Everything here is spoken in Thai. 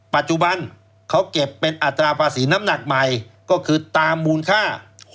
ปัจจุบันเขาเก็บเป็นอัตราภาษีน้ำหนักใหม่ก็คือตามมูลค่า